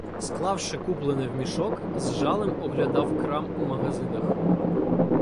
Склавши куплене в мішок, з жалем оглядав крам у магазинах.